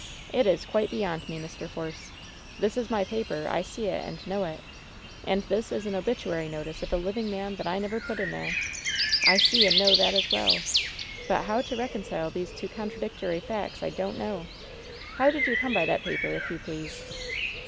It is quite be yond me, Mr. Force. This is my paper — ^I see it, and know it — and this is an obituary notice of a living man that I never put in there ! I see and know that as well ! But how to reconcile these two contradictory facts, I don't know. How did you come by that paper, if you please